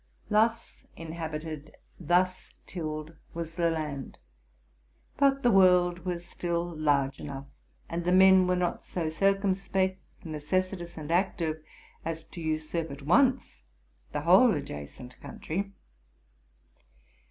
Thus inhabited, thus tilled, was the land: but the world was still large enough; and the men were not so cir cumspect, necessitous, and active, as to usurp at once the whole adjacent country.